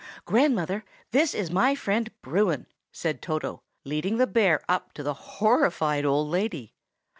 "Grandmother, this is my friend Bruin!" said Toto, leading the bear up to the horrified old lady.